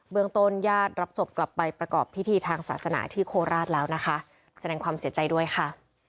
เมืองต้นญาติรับศพกลับไปประกอบพิธีทางศาสนาที่โคราชแล้วนะคะแสดงความเสียใจด้วยค่ะ